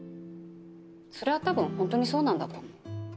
それはたぶんホントにそうなんだと思う。